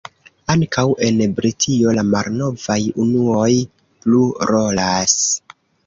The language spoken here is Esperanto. Ankaŭ en Britio la malnovaj unuoj plu rolas.